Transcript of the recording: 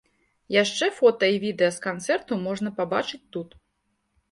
Яшчэ фота і відэа з канцэрту можна пабачыць тут.